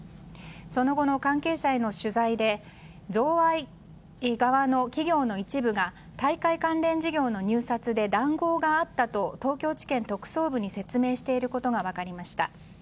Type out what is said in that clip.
その後の関係者への取材で贈賄側の企業の一部が大会関連事業の入札で談合があったと東京地検特捜部に説明していることが分かりました。